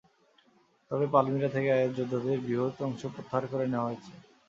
তবে পালমিরা থেকে আইএস যোদ্ধাদের বৃহৎ অংশ প্রত্যাহার করে নেওয়া হয়েছে।